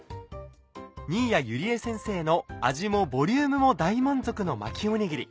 新谷友里江先生の味もボリュームも大満足の巻きおにぎり。